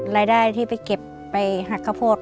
รายได้ที่ไปเก็บไปหักข้าวโพด